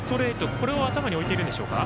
これを頭に置いてるんでしょうか。